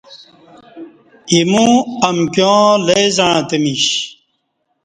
ایمو امکیاں لئی زعݩتہ میش